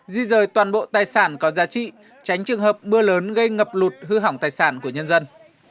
di rời toàn bộ tài sản có giá trị tránh trường hợp mưa lớn gây ngập lụt hư hỏng tài sản của nhân dân